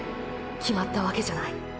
決まったわけじゃない。